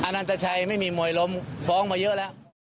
นันตชัยไม่มีมวยล้มฟ้องมาเยอะแล้ว